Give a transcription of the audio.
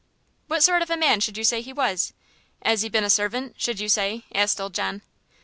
"What sort of man should you say he was? 'as he been a servant, should you say?" asked old John.